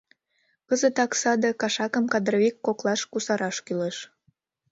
Кызытак саде кашакым кадровик коклаш кусараш кӱлеш...